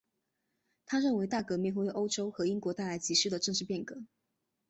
他认为大革命会为欧洲和英国带来急需的政治变革。